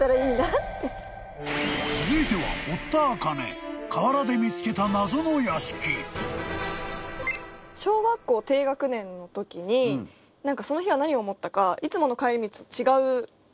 ［続いては］小学校低学年のときにその日は何を思ったか。